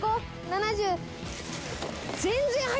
７０。